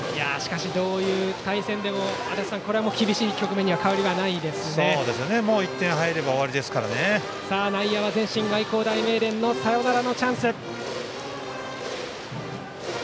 どういう対戦でも、しかしこれは厳しい局面にはもう１点入れば内野は前進愛工大名電、サヨナラのチャンス。